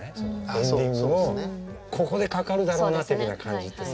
エンディングのここでかかるだろうなってふうには感じてさ。